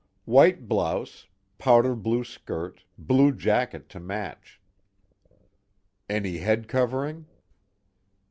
"White blouse. Powder blue skirt, blue jacket to match." "Any head covering?"